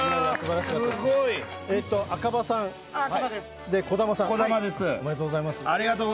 赤羽さん、児玉さん、おめでとうございます。